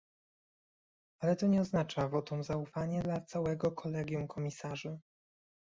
Ale to nie oznacza wotum zaufania dla całego kolegium komisarzy